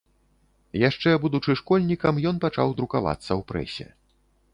Яшчэ будучы школьнікам, ён пачаў друкавацца ў прэсе.